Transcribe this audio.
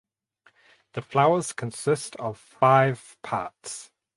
The flowers consist of five parts.